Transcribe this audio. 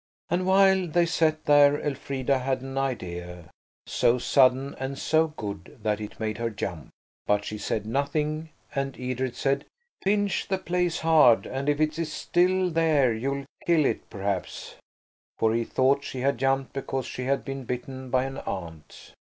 And while they sat there Elfrida had an idea–so sudden and so good that it made her jump. But she said nothing, and Edred said– "Pinch the place hard, and if it's still there you'll kill it perhaps"–for he thought she had jumped because she had been bitten by an ant.